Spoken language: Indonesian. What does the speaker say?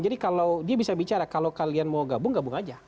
kalau dia bisa bicara kalau kalian mau gabung gabung aja